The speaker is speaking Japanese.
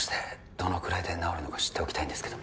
どのくらいで治るのか知っておきたいんですけど